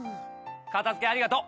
片付けありがとう！